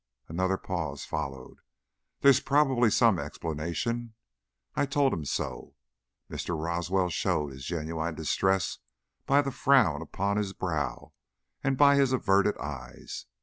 Another pause followed. "There's probably some explanation. I told him so " Mr. Roswell showed his genuine distress by the frown upon his brow and by his averted eyes.